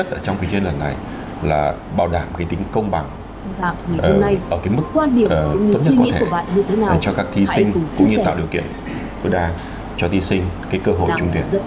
trong cái công tác tuyển sinh